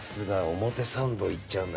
表参道行っちゃうんだ。